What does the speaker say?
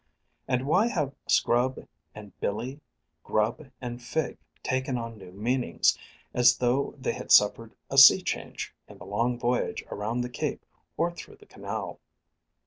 _ And why have scrub and billy, grub and fig, taken on new meanings, as though they had suffered a sea change in the long voyage around the Cape or through the canal?